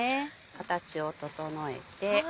形を整えて。